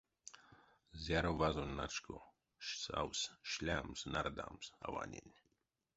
Зяро вазонь начко савсь шлямс-нардамс аванень.